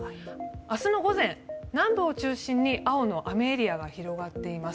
明日の午前、南部を中心に青の雨エリアが広がっています。